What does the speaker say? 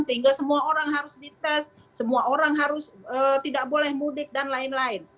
sehingga semua orang harus dites semua orang harus tidak boleh mudik dan lain lain